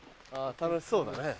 楽しそうだね。